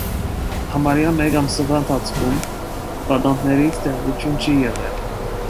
Համարյա մեկ ամսվա ընթացքում պատանդներից տեղեկություն չի եղել։